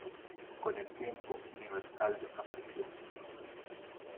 Con el tiempo, Universal desapareció.